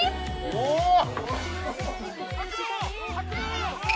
おっ！